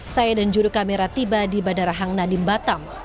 saya dan juru kamera tiba di bandara hang nadim batam